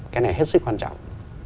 cái này hết sức quan trọng